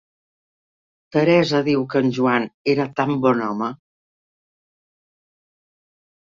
Teresa diu que el Joan era tan bon home...